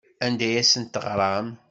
Anda ay asent-teɣram?